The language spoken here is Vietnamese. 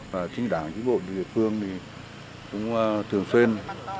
chính đảng chính bộ địa phương cũng thường xuyên